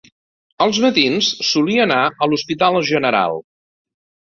Als matins solia anar a l'Hospital General